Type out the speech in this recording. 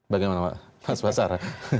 bagaimana pak mas basar